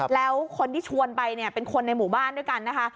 แล้วคนที่ชวนไปเนี่ยเป็นคนในหมู่บ้านด้วยกันนะคะ